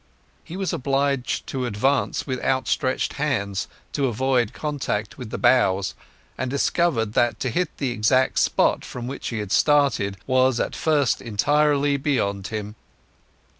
He was obliged to advance with outstretched hands to avoid contact with the boughs, and discovered that to hit the exact spot from which he had started was at first entirely beyond him.